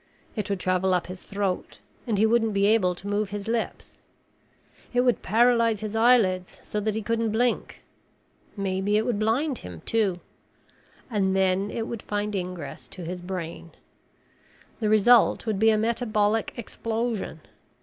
It would travel up his throat and he wouldn't be able to move his lips. It would paralyze his eyelids so that he couldn't blink. Maybe it would blind him, too. And then it would find ingress to his brain. The result would be a metabolic explosion.